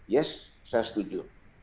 yes saya setuju